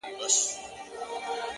دا چي له کتاب سره ياري کوي،